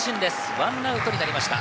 １アウトになりました。